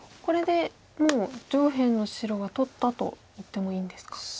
これでもう上辺の白は取ったと言ってもいいんですか。